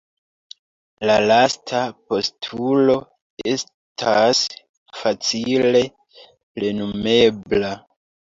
La lasta postulo estas facile plenumebla.